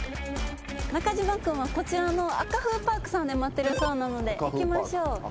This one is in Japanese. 中島君はこちらのａｋａｆｏｏｐａｒｋさんで待ってるそうなので行きましょう。